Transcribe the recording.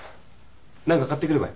何か買ってくるばい。